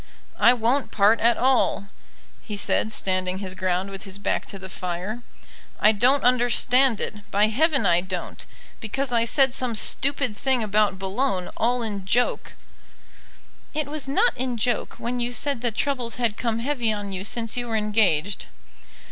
"I won't part at all," he said, standing his ground with his back to the fire. "I don't understand it, by heaven I don't. Because I said some stupid thing about Boulogne, all in joke " "It was not in joke when you said that troubles had come heavy on you since you were engaged."